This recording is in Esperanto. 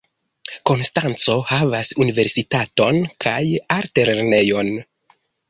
Konstanco havas universitaton kaj altlernejon.